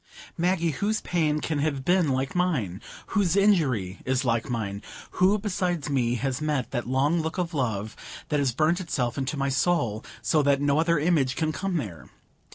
"Maggie! whose pain can have been like mine? Whose injury is like mine? Who besides me has met that long look of love that has burnt itself into my soul, so that no other image can come there?